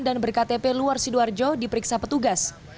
dan berktp luar sidoarjo diperiksa petugas